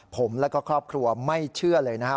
ผมแล้วก็ครอบครัวไม่เชื่อเลยนะครับ